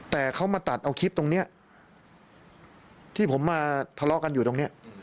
แต่เขามาตัดเอาคลิปตรงนี้ที่ผมมาทะเลาะกันอยู่ตรงนี้